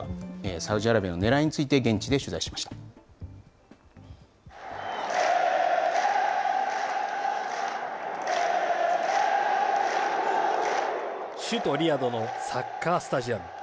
サウジアラビアのねらいについて、首都リヤドのサッカースタジアム。